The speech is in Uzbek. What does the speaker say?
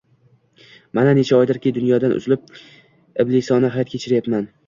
Mana, necha oydirki, dunyodan uzilib, iblisona hayot kechiryapman